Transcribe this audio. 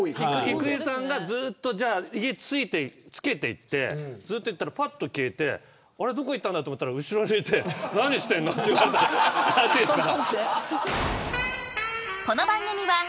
郁恵さんがずっと家をつけていってそしたらぱっと消えてどこ行ったんだと思ったら後ろにいて、何してんのって言われたらしいですから。